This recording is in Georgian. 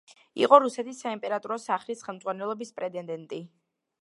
იყო რუსეთის საიმპერატორო სახლის ხელმძღვანელობის პრეტენდენტი.